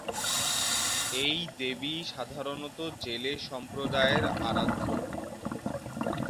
এই দেবী সাধারণত জেলে সম্প্রদায়ের আরাধ্য।